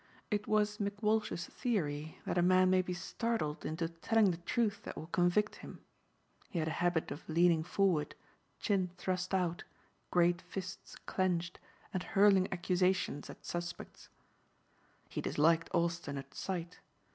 It was McWalsh's theory that a man may be startled into telling the truth that will convict him. He had a habit of leaning forward, chin thrust out, great fists clenched, and hurling accusations at suspects. He disliked Austin at sight.